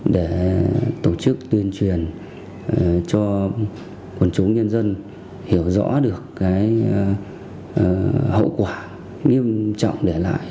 để tổ chức tuyên truyền cho quần chúng nhân dân hiểu rõ được hậu quả nghiêm trọng để lại